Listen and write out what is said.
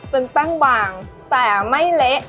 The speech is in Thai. เป็นแป้งบางแต่ไม่เละ